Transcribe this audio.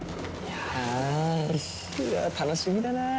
はぁいや楽しみだな！